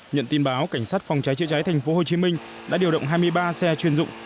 nhận tin báo cảnh sát phòng cháy chữa cháy thành phố hồ chí minh đã điều động hai mươi ba xe chuyên dụng